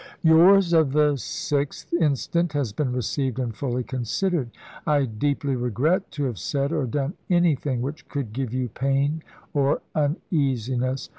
Yours of the sixth instant has been received and fully considered. I deeply regret to have said or done any thing which could give you pain or uneasiness.